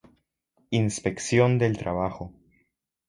Inspección del Trabajo.